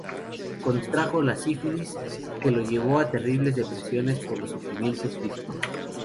Contrajo la sífilis, que lo llevó a terribles depresiones, por los sufrimientos físicos.